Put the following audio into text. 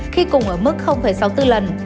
khi cùng ở mức sáu mươi bốn lần